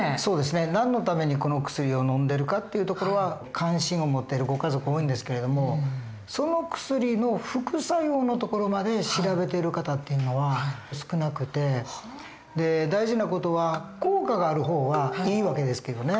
何のためにこの薬をのんでるかっていうところは関心を持ってるご家族多いんですけれどもその薬の副作用のところまで調べてる方っていうのは少なくて大事な事は効果がある方はいい訳ですけどね。